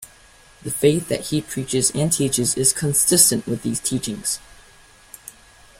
The faith that he preaches and teaches is consistent with these teachings.